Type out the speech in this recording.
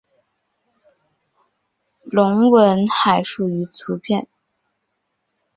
隆吻海蠋鱼的图片